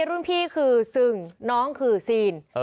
รุ่นพี่คือซึงน้องคือซีน